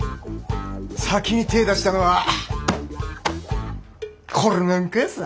先に手出したのはこれなんかヤサ。